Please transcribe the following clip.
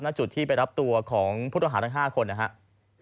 ณจุดที่ไปรับตัวของผู้ต้องหารับทราบทั้ง๕คน